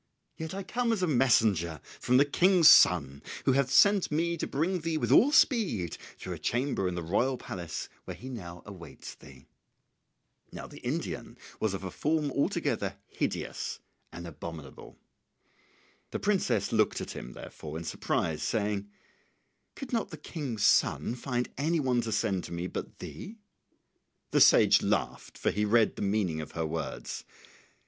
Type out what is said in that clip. Yet I come as a messenger from the King's son who hath sent me to bring thee with all speed to a chamber in the royal palace where he now awaits thee." Now the Indian was of a form altogether hideous and abominable. The princess looked at him, therefore, in surprise, saying, "Could not the King's son find any one to send to me but thee?" The sage laughed, for he read the meaning of her words.